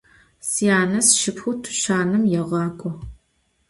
Syane sşşıpxhu tuçanım yêğak'o.